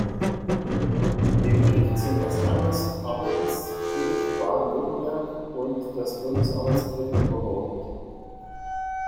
Dem Gericht sind das Landesarbeitsgericht Baden-Württemberg und das Bundesarbeitsgericht übergeordnet.